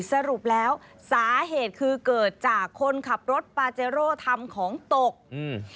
สรุปแล้วสาเหตุคือเกิดจากคนขับรถปาเจโร่ทำของตกอืม